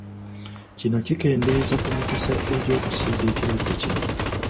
Kino kikendeeza ku mikisa egy’okusiiga ekirwadde kino.